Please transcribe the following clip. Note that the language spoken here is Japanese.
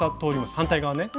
反対側ね。